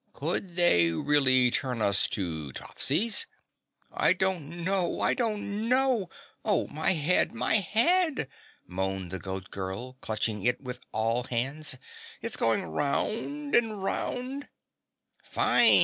"Could they really turn us to Topsies?" "I don't know! I don't know! Oh my head, my HEAD!" moaned the Goat Girl, clutching it with all hands. "It's going round and round " "Fine!